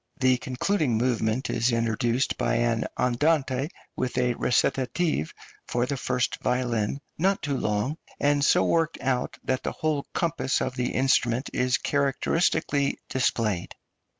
The concluding movement is introduced by an andante with a recitative for the first violin, not too long, and so worked out that the whole compass of the instrument is characteristically displayed.